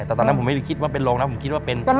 แต่ตอนนั้นผมไม่ได้คิดว่าเป็นโรงนะผมคิดว่าเป็น